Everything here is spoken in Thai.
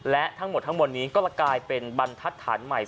และทั้งหมดทั้งหมดนี้ก็เลยกลายเป็นบรรทัศน์ใหม่